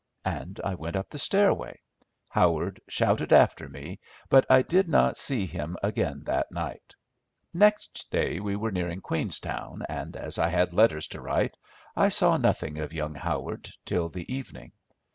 And I went up the stairway. Howard shouted after me, but I did not see him again that night. Next day we were nearing Queenstown, and, as I had letters to write, I saw nothing of young Howard till the evening.